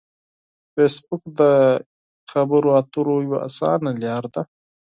فېسبوک د خبرو اترو یوه اسانه لار ده